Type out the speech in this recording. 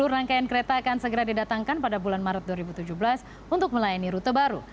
rangkaian kereta akan segera didatangkan pada bulan maret dua ribu tujuh belas untuk melayani rute baru